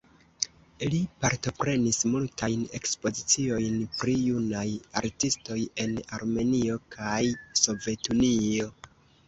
Li partoprenis multajn ekspoziciojn pri junaj artistoj en Armenio kaj Sovetunio.